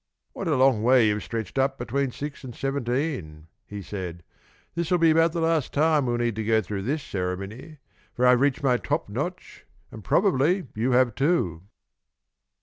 "What a long way you've stretched up between six and seventeen," he said. "This'll be about the last time we'll need to go through this ceremony, for I've reached my top notch, and probably you have too."